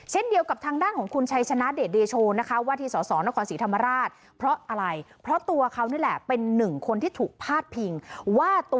เช่นเดียวกับทางด้านของคุณชัยชนะเดดเดโชนนะคะ